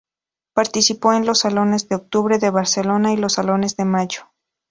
Participó en los Salones de Octubre de Barcelona y los Salones de Mayo.